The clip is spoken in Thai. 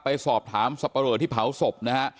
ไปสอบถามศพที่เผาศพนะฮะ